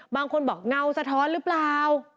บางคนบอกเงาสะท้อนหรือเปล่า